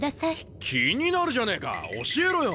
気になるじゃねえか教えろよ！